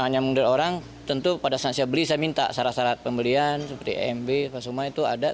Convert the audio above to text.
nyambung dari orang tentu pada saat saya beli saya minta syarat syarat pembelian seperti imb semua itu ada